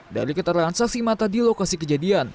dari keterangan saksi mata di lokasi kejadian